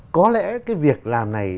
có lẽ cái việc làm này